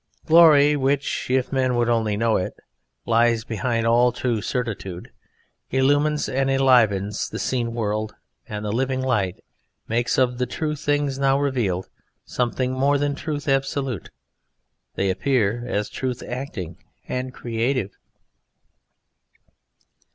Glory (which, if men would only know it, lies behind all true certitude) illumines and enlivens the seen world, and the living light makes of the true things now revealed something more than truth absolute; they appear as truth acting and creative.